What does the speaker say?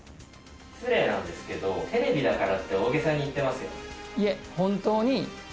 失礼なんですけどテレビだからって大げさに言ってますよね？